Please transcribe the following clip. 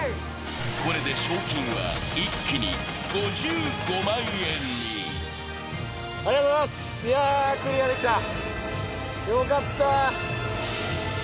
これで賞金は一気に５５万円にありがとうございますいやクリアできたよかった